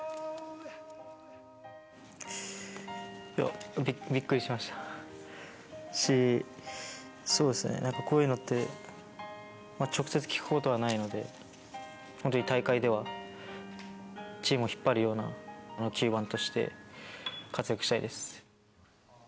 いや、びっくりしましたし、そうですね、やっぱりこういうのって、直接聞くことはないので、本当に大会では、チームを引っ張るような９番として活躍したいです。